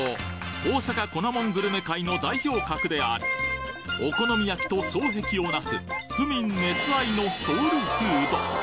大阪コナモングルメ会の代表格でありお好み焼きと双璧をなす府民熱愛のソウルフード！